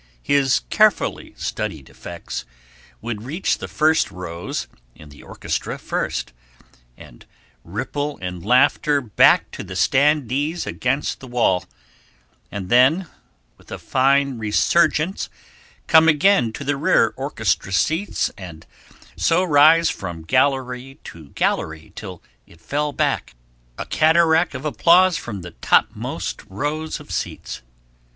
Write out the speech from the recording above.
His carefully studied effects would reach the first rows in the orchestra first, and ripple in laughter back to the standees against the wall, and then with a fine resurgence come again to the rear orchestra seats, and so rise from gallery to gallery till it fell back, a cataract of applause from the topmost rows of seats.